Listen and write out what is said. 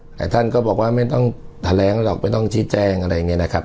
ท่านก็บอกว่าไม่ต้องแถลงหรอกไม่ต้องชี้แจงอะไรอย่างนี้นะครับ